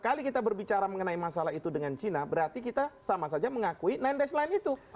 kalau kita berbicara mengenai masalah itu dengan cina berarti kita sama saja mengakui sembilan itu